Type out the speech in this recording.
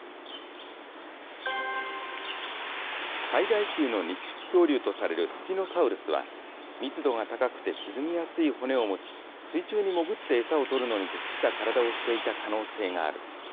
最大級の肉食恐竜とされるスピノサウルスは、密度が高くて沈みやすい骨を持ち、水中にもぐって餌をとるのに適した体をしていた可能性がある。